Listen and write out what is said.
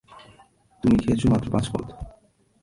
তুমি খেয়েছ মাত্র পাঁচ পদ।